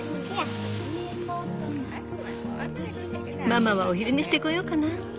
ママはお昼寝してこようかな。